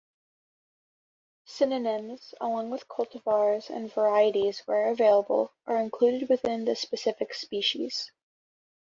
Synonyms, along with cultivars and varieties where available, are included within the specific species.